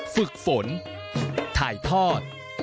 ฝึกฝนถ่ายทอด